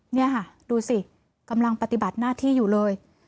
นี่ค่ะดูสิกำลังปฏิบัติหน้าที่อยู่เลย